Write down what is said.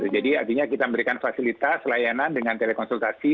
artinya kita memberikan fasilitas layanan dengan telekonsultasi